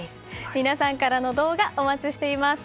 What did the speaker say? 皆さんからの動画お待ちしています。